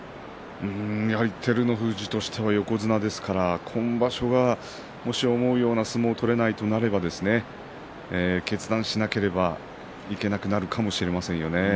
照ノ富士としては横綱ですから、今場所はもし思うような相撲が取れないとなれば決断しなければいけなくなるかもしれませんよね。